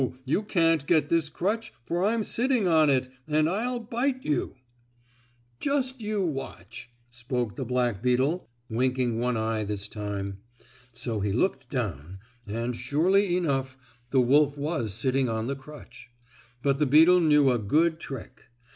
You can't get this crutch, for I'm sitting on it, and I'll bite you." "Just you watch," spoke the black beetle, winking one eye this time. So he looked down, and, surely enough, the wolf was sitting on the crutch. But the beetle knew a good trick.